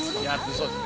「そうですね」